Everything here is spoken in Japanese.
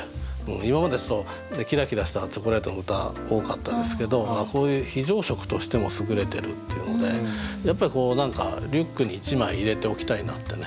今までですとキラキラしたチョコレートの歌多かったんですけどこういう非常食としてもすぐれてるっていうのでやっぱりリュックに一枚入れておきたいなってね。